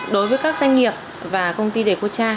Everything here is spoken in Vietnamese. đối với các doanh nghiệp và công ty đề cô cha